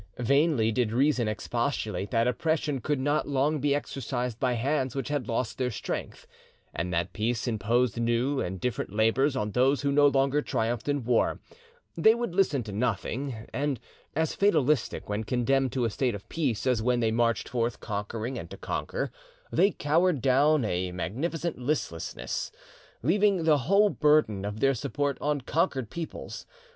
Vainly did reason expostulate that oppression could not long be exercised by hands which had lost their strength, and that peace imposed new and different labours on those who no longer triumphed in war; they would listen to nothing; and, as fatalistic when condemned to a state of peace as when they marched forth conquering and to conquer, they cowered down in magnificent listlessness, leaving the whole burden of their support on conquered peoples.